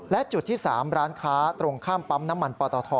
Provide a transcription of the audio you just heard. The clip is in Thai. และจุดที่๓ร้านค้าตรงข้ามปั๊มน้ำมันปอตท